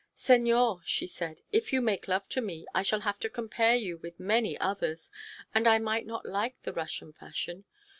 "Senor!" she said, "if you make love to me, I shall have to compare you with many others, and I might not like the Russian fashion.